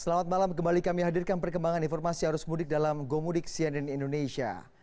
selamat malam kembali kami hadirkan perkembangan informasi arus mudik dalam gomudik cnn indonesia